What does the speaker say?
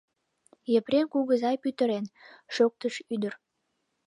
— Епрем кугызай пӱтырен, — шоктыш ӱдыр.